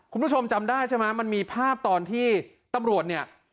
คุณผู้ชมจำได้ใช่ไหมมันมีภาพตอนที่ตำรวจเนี่ย